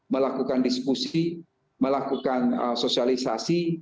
melakukan diskusi melakukan sosialisasi